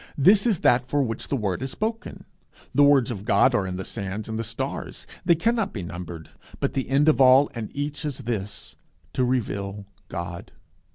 This is that for which the word is spoken. The words of God are as the sands and the stars, they cannot be numbered; but the end of all and each is this to reveal God.